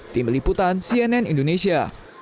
tim liputan cnn indonesia